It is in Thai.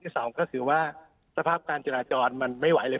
สองก็คือว่าสภาพการจราจรมันไม่ไหวเลย